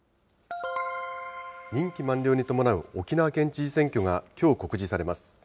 任期満了に伴う沖縄県知事選挙がきょう告示されます。